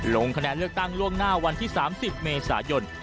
ลงคะแนนเลือกตั้งล่วงหน้าวันที่๓๐เมษายน